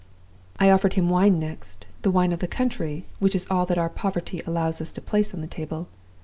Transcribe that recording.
I offered him wine next, the wine of the country, which is all that our poverty allows us to place on the table.